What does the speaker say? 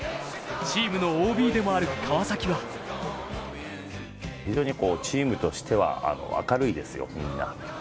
チームのＯＢでもある川崎は非常にチームとしては明るいですよ、みんな。